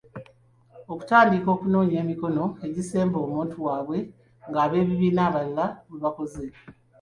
Okutandika okunoonya emikono egisemba omuntu waabwe nga abebibina abalala bwe bakoze.